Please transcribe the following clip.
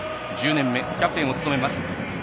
１０年目、キャプテンを務めます